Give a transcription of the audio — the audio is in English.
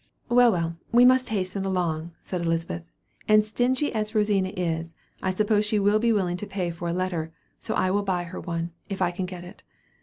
"Well, well, we must hasten along," said Elizabeth; "and stingy as Rosina is, I suppose she will be willing to pay for a letter; so I will buy her one, if I can get it.